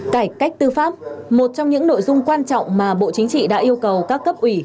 cải cách tư pháp một trong những nội dung quan trọng mà bộ chính trị đã yêu cầu các cấp ủy